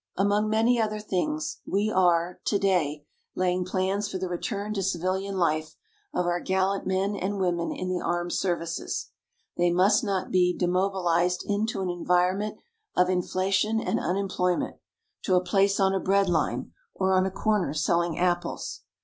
Among many other things we are, today, laying plans for the return to civilian life of our gallant men and women in the armed services. They must not be demobilized into an environment of inflation and unemployment, to a place on a bread line, or on a corner selling apples.